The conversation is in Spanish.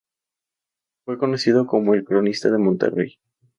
Fue conocido como "El cronista de Monterrey".